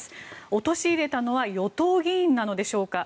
陥れたのは与党議員なのでしょうか。